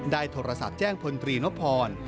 โทรศัพท์แจ้งพลตรีนพร